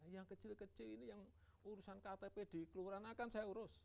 yang kecil kecil ini yang urusan ktp di kelurahan akan saya urus